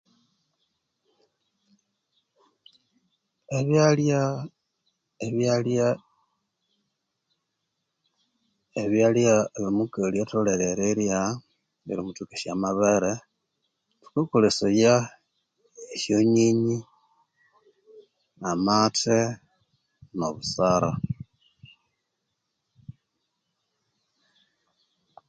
Ebyalya ebyalya ebyalya ebyo omukali atholere erirya erimuthokesya amabere thukakolesaya esya nyinyi, amathe no busara